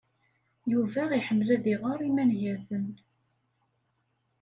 Yuba iḥemmel ad iɣer imangaten.